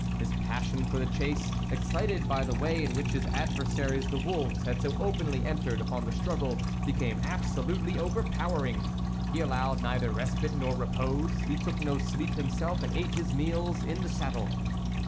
His passion for the chase, excited by the way in which his adversaries the wolves had so openly entered upon the struggle, became absolutely overpowering; he allowed neither respite nor repose ; he took no sleep himself and ate his meals in the saddle.